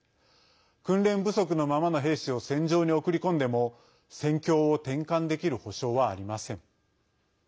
訓練不足のままの兵士を戦場に送り込んでも戦況を転換できる保証はありません。